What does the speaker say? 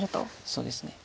そうですね。